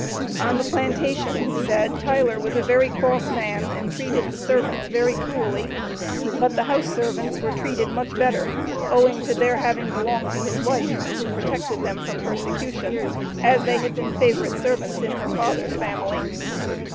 "On the plantation," he said, "Tyler was a very cross man, and treated the servants very cruelly; but the house servants were treated much better, owing to their having belonged to his wife, who protected them from persecution, as they had been favorite servants in her father's family."